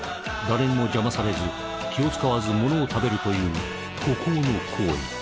誰にも邪魔されず気を遣わずものを食べるという孤高の行為。